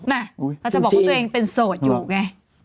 เราจะบอกว่าตัวเองเป็นโสดอยู่ไง